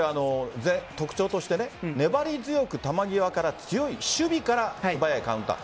特徴として、粘り強く球際から強い守備から素早いカウンター。